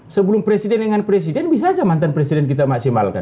sebelum presiden dengan presiden bisa saja mantan presiden kita maksimalkan